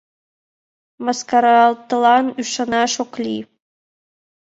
Мыскаратлан ӱшанаш ок лий!